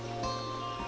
istilahnya seperti itu